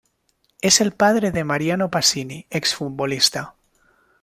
Es el padre de Mariano Pasini, ex futbolista.